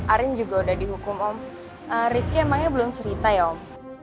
arin juga udah dihukum om rifki emangnya belum cerita ya om